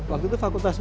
waktu itu fakultas ubud